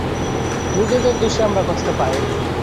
নিজেদের দোষেই আমরা কষ্ট পাই।